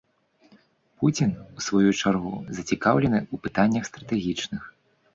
Пуцін, у сваю чаргу, зацікаўлены ў пытаннях стратэгічных.